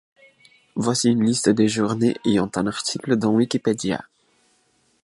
Voici un liste des journées ayant un article dans Wikipédia.